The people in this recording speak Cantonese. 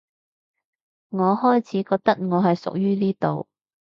我開始覺得我係屬於呢度